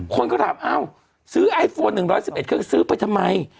คนก็ถามเอ้าซื้อไอโฟน๑๑๑เครื่องซื้อไปทำไม